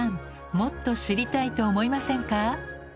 もっと知りたいと思いませんか？